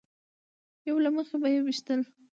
یو له مخې به یې ویشتل.